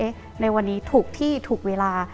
ในวันนี้ถูกที่ถูกเวลา